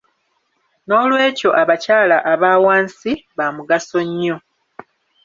Noolwekyo abakyala aba wansi ba mugaso nnyo.